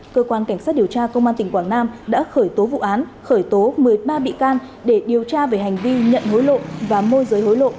cơ quan cảnh sát điều tra công an tỉnh quảng nam đã khởi tố vụ án khởi tố một mươi ba bị can để điều tra về hành vi nhận hối lộ và môi giới hối lộ